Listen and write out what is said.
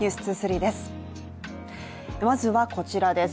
まずは、こちらです。